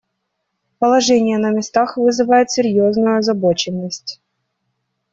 Положение на местах вызывает серьезную озабоченность.